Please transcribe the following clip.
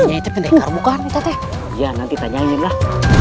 nyanyi terdengar bukan kita teh ya nanti tanyain lah